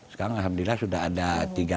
sekarang alhamdulillah sudah ada tiga